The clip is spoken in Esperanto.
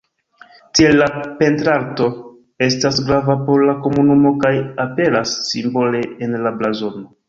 Tiel la pentrarto estas grava por la komunumo kaj aperas simbole en la blazono.